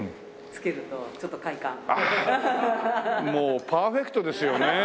もうパーフェクトですよね。